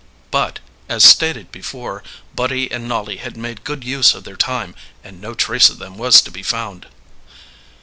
But, as stated before, Buddy and Nolly had made good use of their time, and no trace of them was to be found.